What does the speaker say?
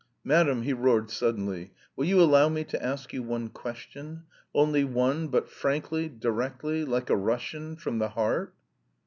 "Madam!" he roared suddenly. "Will you allow me to ask you one question? Only one, but frankly, directly, like a Russian, from the heart?"